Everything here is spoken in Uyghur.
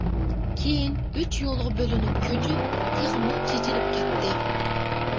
كېيىن ئۈچ يولغا بۆلۈنۈپ كۆچۈپ، تېخىمۇ چېچىلىپ كەتتى.